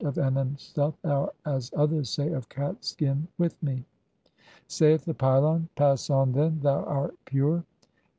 of enen stuff," or as others say, "of cat's skin (?) "with me." [Saith the pylon :—] "Pass on, then, thou art pure." IX.